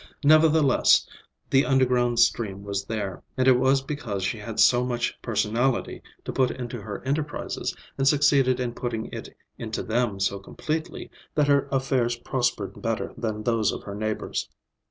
Nevertheless, the underground stream was there, and it was because she had so much personality to put into her enterprises and succeeded in putting it into them so completely, that her affairs prospered better than those of her neighbors.